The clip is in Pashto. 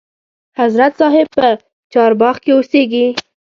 حضرت صاحب په چارباغ کې اوسیږي.